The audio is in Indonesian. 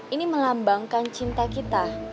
ini melambangkan cinta kita